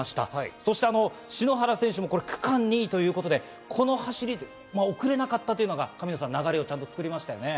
そして篠原選手も区間２位ということで、この走り、遅れなかったというのが神野さん、流れを作りましたね。